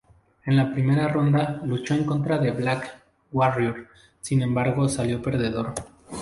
En la primera ronda, luchó en contra de Black Warrior, sin embargo salió perdedor.